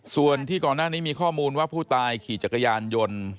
ส่วนที่ก่อนหน้านี้มีข้อมูลว่าผู้ตายขี่จักรยานยนต์